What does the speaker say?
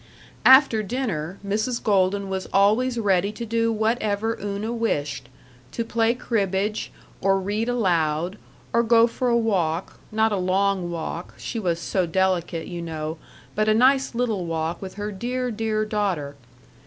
After dinner, Mrs. Golden was always ready to do whatever Una wished to play cribbage, or read aloud, or go for a walk not a long walk; she was so delicate, you know, but a nice little walk with her dear, dear daughter....